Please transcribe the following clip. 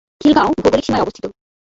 খিলগাঁও ভৌগোলিক সীমায় অবস্থিত।